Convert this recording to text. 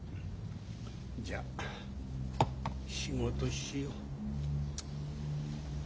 じゃあ仕事しよう。